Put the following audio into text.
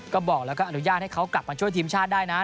ก็บอกแล้วก็อนุญาตให้เขากลับมาช่วยทีมชาติได้นะ